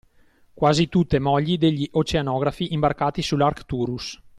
Quasi tutte mogli degli oceanografi imbarcati sull’Arcturus